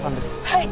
はい！